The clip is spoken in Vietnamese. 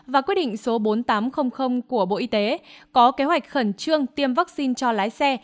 và quyết định số bốn nghìn tám trăm linh của bộ y tế có kế hoạch khẩn trương tiêm vaccine cho lái xe